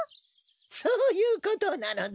そういうことなのだ。